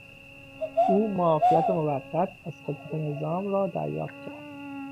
او معافیت موقت از خدمت نظام را دریافت کرد.